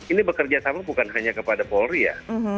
ini bekerja sama bukan hanya kepada polri ya